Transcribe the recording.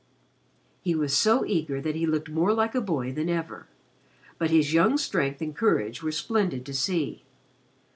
He was so eager that he looked more like a boy than ever. But his young strength and courage were splendid to see.